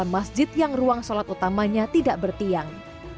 masjid yang ruang sholat utamanya tidak bertiang